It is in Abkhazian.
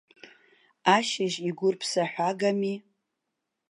Ашьыжь игәырԥсаҳәагами!